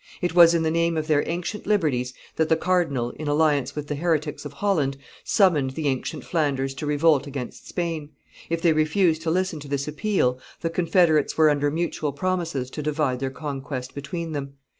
It was in the name of their ancient liberties that the cardinal, in alliance with the heretics of Holland, summoned the ancient Flanders to revolt against Spain; if they refused to listen to this appeal, the confederates were under mutual promises to divide their conquest between them.